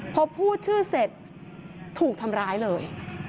พอพูดชื่อเสร็จถูกทำร้ายเลย